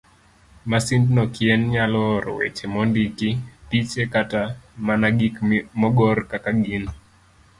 Masindno kien nyalo oro weche mondiki, piche, kata mana gik mogor kaka gin.